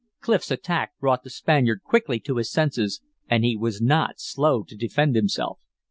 Clif's attack brought the Spaniard quickly to his senses, and he was not slow to defend himself.